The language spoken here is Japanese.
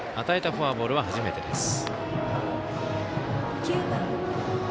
与えたフォアボールは初めてです。